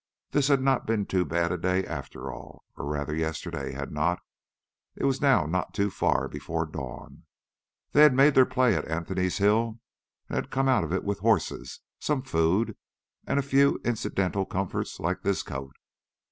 This had not been too bad a day after all, or rather yesterday had not; it was now not too far before dawn. They had made their play at Anthony's Hill and had come out of it with horses, some food, and a few incidental comforts like this coat.